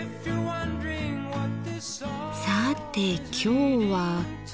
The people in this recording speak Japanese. さて今日は。